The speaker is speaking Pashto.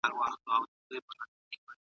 ايا دا هدف ترلاسه کيدونکی دی؟